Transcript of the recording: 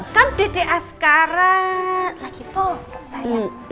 kan dede askara lagi poh sayang